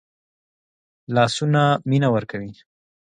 لاسونه مینه ورکوي